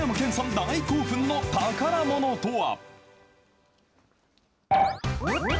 大興奮の宝ものとは。